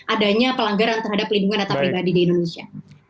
adanya pelanggaran terhadap pelindungan data pribadi di indonesia